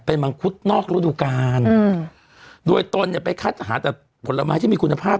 เป็นมังคุดนอกฤดูกาลอืมโดยตนเนี่ยไปคัดหาแต่ผลไม้ที่มีคุณภาพ